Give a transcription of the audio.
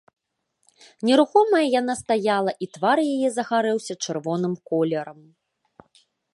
Нерухомая яна стаяла, і твар яе загарэўся чырвоным колерам.